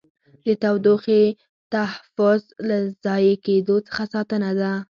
د تودوخې تحفظ له ضایع کېدو څخه ساتنه ده.